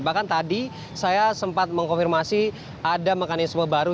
bahkan tadi saya sempat mengkonfirmasi ada mekanisme baru